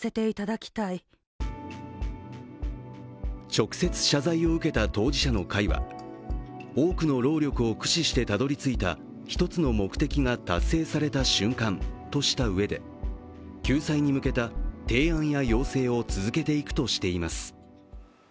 直接謝罪を受けた当事者の会は多くの労力を駆使して一つの目的が達成された瞬間としたうえで救済に向けた提案や要請を続けていくとしています。